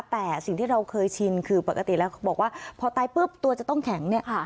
แต่สิ่งที่เราเคยชินคือปกติแล้วเขาบอกว่าพอตายปุ๊บตัวจะต้องแข็งเนี่ยค่ะ